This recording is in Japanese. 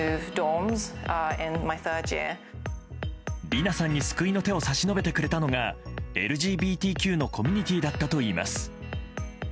リナさんに救いの手を差し伸べてくれたのがＬＧＢＴＱのコミュニティーだったといいます。